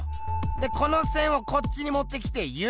でこの線をこっちにもってきて「Ｕ」。